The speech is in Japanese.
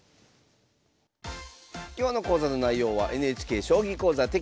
今日の講座の内容はＮＨＫ「将棋講座」テキスト